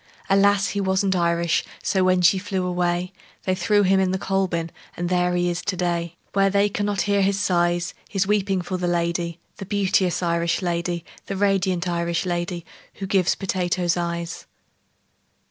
Alas, he wasn't Irish. So when she flew away, They threw him in the coal bin And there he is to day, Where they cannot hear his sighs His weeping for the lady, The beauteous Irish lady, The radiant Irish lady Who gives potatoes eyes."